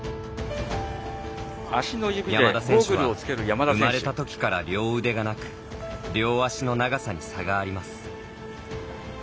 山田選手は生まれたときから両腕がなく両脚の長さに差があります。